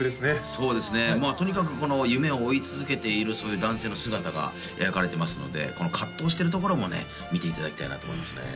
そうですねまあとにかく夢を追い続けているそういう男性の姿が描かれてますのでこの葛藤してるところもね見ていただきたいなと思いますね